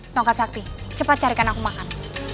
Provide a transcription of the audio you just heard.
tongkat sakti cepat carikan aku makan